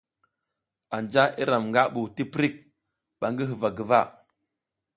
Anja iram nga bu tiprik ba ngi huva guva.